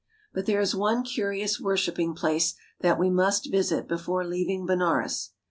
But there is one curious worshiping place that we must visit before leaving Benares.